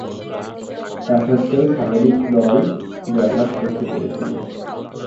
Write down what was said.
তাসত্ত্বেও, স্বাগতিক দল জয়লাভ করতে পেরেছিল।